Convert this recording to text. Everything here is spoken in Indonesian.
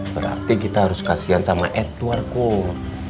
berarti kita harus kasian sama edward kum